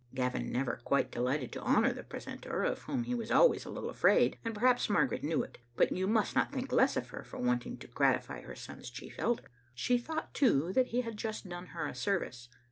'" Gavin never quite delighted to honor the precentor, of whom he was always a little afraid, and perhaps Margaret knew it. But you must not think less of her for wanting to gratify her son's chief elder. She thought, too, that he had just done her a service.